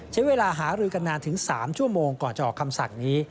ใช้เวลาหารือกันนานถึง๓ชั่วโมงก่อนจะออกคำสั่งนี้